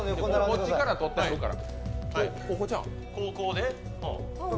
こっちから撮ってるから。